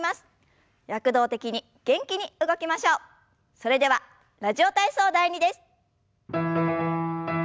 それでは「ラジオ体操第２」です。